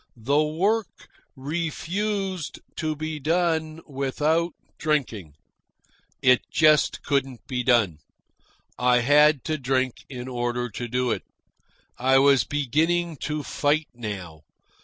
The work refused to be done without drinking. It just couldn't be done. I had to drink in order to do it. I was beginning to fight now.